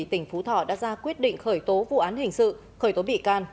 tỉnh phú thọ đã ra quyết định khởi tố vụ án hình sự khởi tố bị can